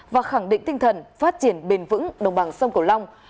và khẳng định tinh thần phát triển bền vững đồng bằng sông cửu long